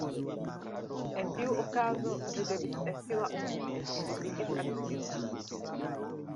"En tiu okazo, ĝi devis esti la unua," kritikis Alicio.